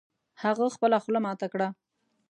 هغه خپله خوله ماته کړه